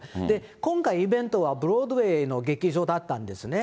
今回イベントは、ブロードウェイの劇場だったんですね。